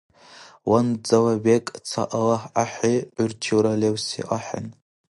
Ванзала бекӀ ца Аллагь ахӀи, гӀур чилра левси ахӀен.